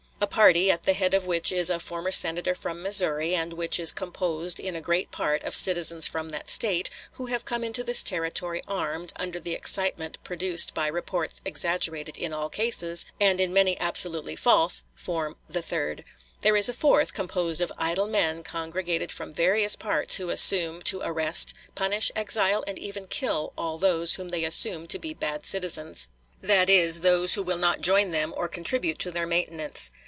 A party, at the head of which is a former Senator from Missouri, and which is composed in a great part of citizens from that State, who have come into this Territory armed, under the excitement produced by reports exaggerated in all cases, and in many absolutely false, form the third. There is a fourth, composed of idle men congregated from various parts, who assume to arrest, punish, exile, and even kill all those whom they assume to be bad citizens; that is, those who will not join them or contribute to their maintenance.